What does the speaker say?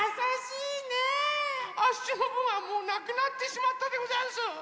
あっしのぶんはもうなくなってしまったでござんす！